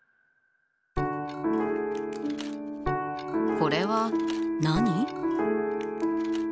これは何？